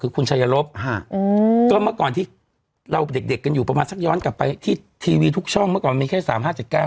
คือคุณชายลบก็เมื่อก่อนที่เราเด็กเด็กกันอยู่ประมาณสักย้อนกลับไปที่ทีวีทุกช่องเมื่อก่อนมีแค่สามห้าเจ็ดเก้า